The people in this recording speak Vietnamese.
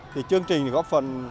thì chương trình có phần